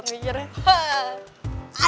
oh gw di dalam